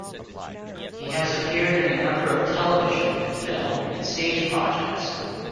He has appeared in a number of television, film, and stage projects.